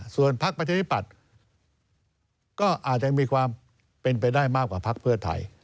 ส่วนพักประชาธิปัตย์ก็อาจจะมีความเป็นไปได้มากกว่าพักเพื่อไทย